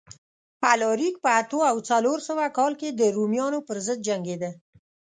الاریک په اتو او څلور سوه کال کې د رومیانو پرضد جنګېده